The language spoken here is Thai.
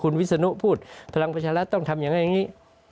คุณวิศนุพูดพลังประชารัฐต้องทำอย่างนั้นอย่างนี้